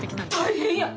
大変や！